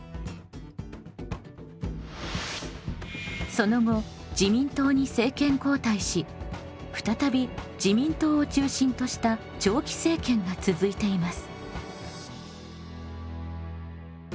その後自民党に政権交代し再び自民党を中心とした長期政権が続いています。